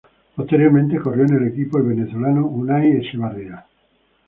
Posteriormente corrió en el equipo el venezolano Unai Etxebarria.